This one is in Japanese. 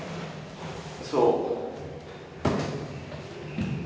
そう。